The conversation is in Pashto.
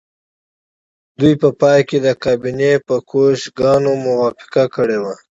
دوی په پای کې د کابینې په کشوګانو موافقه کړې وه